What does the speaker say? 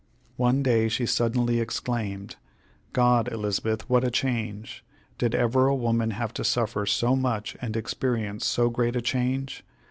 One day she suddenly exclaimed: "God, Elizabeth, what a change! Did ever woman have to suffer so much and experience so great a change?